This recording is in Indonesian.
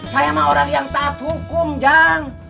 saya mah orang yang taat hukum jangan